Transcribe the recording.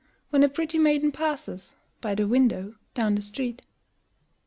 When a pretty maiden passes By the window down the street.